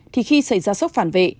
thì khi xảy ra sốc phản vệ